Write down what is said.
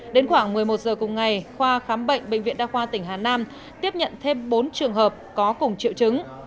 đến khoảng một mươi một giờ cùng ngày khoa khám bệnh bệnh viện đa khoa tỉnh hà nam tiếp nhận thêm bốn trường hợp có cùng triệu chứng